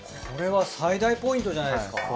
これは最大ポイントじゃないですか？